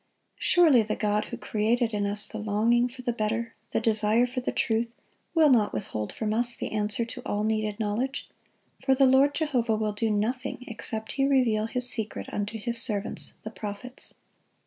Surely the God who created in us the longing for the better, the desire for the truth, will not withhold from us the answer to all needed knowledge; for "the Lord Jehovah will do nothing, except He reveal His secret unto His servants the prophets."